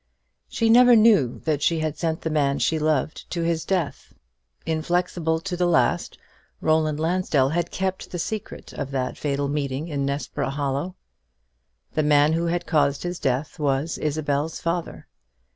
She never knew that she had sent the man she loved to his death. Inflexible to the last, Roland Lansdell had kept the secret of that fatal meeting in Nessborough Hollow. The man who had caused his death was Isabel's father.